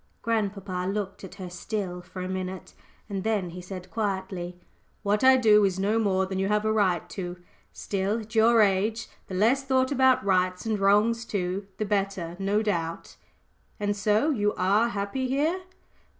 Grandpapa looked at her still for a minute, and then he said quietly "What I do is no more than you have a right to. Still, at your age the less thought about rights and wrongs too the better, no doubt. And so you are happy here?"